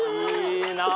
いいなあ！